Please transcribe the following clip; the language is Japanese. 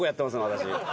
私。